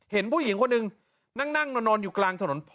เห็นผู้หญิงคนหนึ่งนั่งนอนอยู่กลางถนน